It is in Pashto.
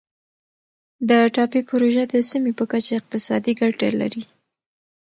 د ټاپي پروژه د سیمې په کچه اقتصادي ګټه لري.